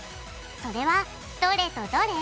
それはどれとどれ？